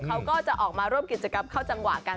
เขาก็จะออกมาร่วมกิจกรรมเข้าจังหวะกัน